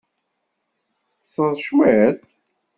Teṭṣeḍ cwiṭ?